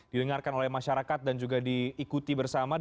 didengarkan oleh masyarakat dan juga diikuti bersama